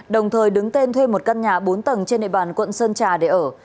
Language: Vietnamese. đồng thời đứng tên thuê một căn nhà bốn tầng trên địa bàn quận sơn trà để ở